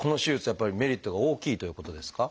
やっぱりメリットが大きいということですか？